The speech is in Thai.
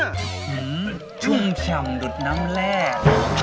หื้มชุ่มชำดุดน้ำแรก